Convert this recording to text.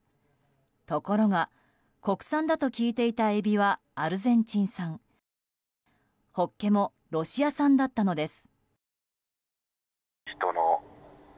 ところが国産だと聞いていたエビはアルゼンチン産ホッケもロシア産だったのです。